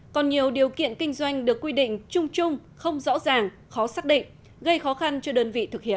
còn nhiều điều kiện kinh doanh được quy định chung chung không rõ ràng khó xác định gây khó khăn cho đơn vị thực hiện